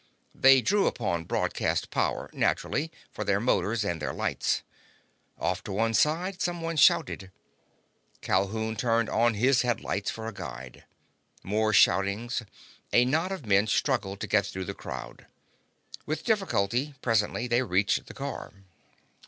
They drew upon broadcast power, naturally, for their motors and their lights. Off to one side someone shouted. Calhoun turned on his headlights for a guide. More shoutings. A knot of men struggled to get through the crowd. With difficulty, presently, they reached the car.